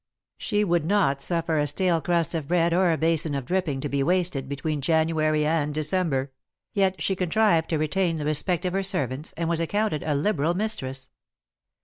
She would not suffer a stale crust of bread or a basin of dripping to be wasted between January and December ; yet she contrived to retain the respect of her servants, and was ac counted a liberal mistress.